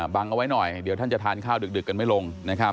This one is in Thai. บังเอาไว้หน่อยเดี๋ยวท่านจะทานข้าวดึกกันไม่ลง